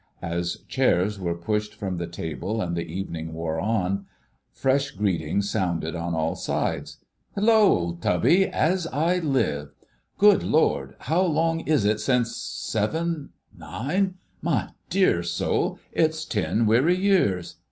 As chairs were pushed from the table and the evening wore on, fresh greetings sounded on all sides: "Hullo! Old Tubby, as I live! Good Lord! How long is it since—seven—nine—my dear soul! It's ten weary years..."